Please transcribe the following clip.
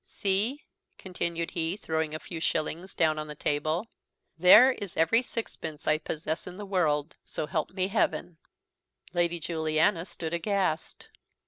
See," continued he, throwing a few shillings down on the table, "there is every sixpence I possess in the world, so help me heaven!" Lady Juliana stood aghast.